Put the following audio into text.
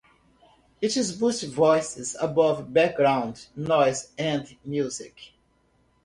It boosts voices above background noise and music.